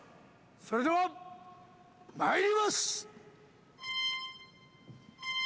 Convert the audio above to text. それではまいります！